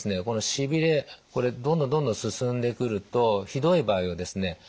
このしびれこれどんどんどんどん進んでくるとひどい場合はですね